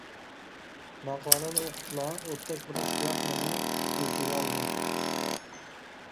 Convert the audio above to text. ماقالىنى ئۇقۇپلا ئوتتەك بىر ئىشتىياق مېنى ئىلكىگە ئالدى.